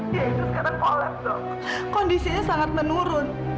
dia itu sekarang polen dok kondisinya sangat menurun